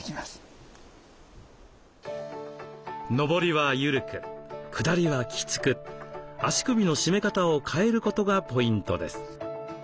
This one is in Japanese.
のぼりは緩くくだりはきつく足首の締め方を変えることがポイントです。